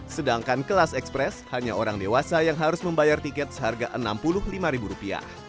sedangkan kelas ekspres hanya orang dewasa yang harus membayar tiket seharga rp enam puluh lima